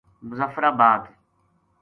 مظفرآباد